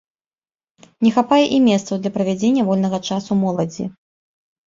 Не хапае і месцаў для правядзення вольнага часу моладзі.